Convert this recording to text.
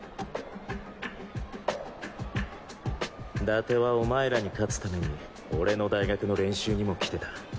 伊達はお前らに勝つために俺の大学の練習にも来てた。